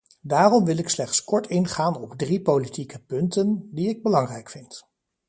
Daarom wil ik slechts kort ingaan op drie politieke punten, die ik belangrijk vind.